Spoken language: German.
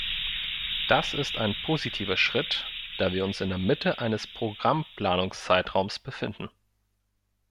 Das ist ein positiver Schritt, da wir uns in der Mitte eines Programmplanungszeitraums befinden.